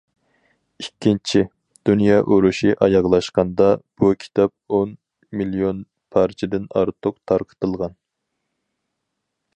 ئىككىنچى دۇنيا ئۇرۇشى ئاياغلاشقاندا، بۇ كىتاب ئون مىليون پارچىدىن ئارتۇق تارقىتىلغان.